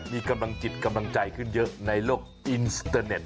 มีกำลังจิตกำลังใจขึ้นเยอะในโลกอินสเตอร์เน็ต